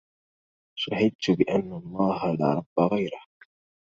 شهدت بأن الله لا رب غيره